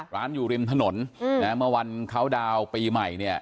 ร้านอยู่ริมถนนเมื่อวันเขาดาวน์ปีใหม่เนี่ย